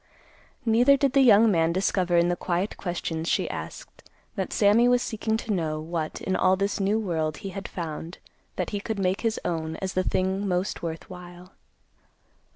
Neither did the young man discover in the quiet questions she asked that Sammy was seeking to know what in all this new world he had found that he could make his own as the thing most worth while.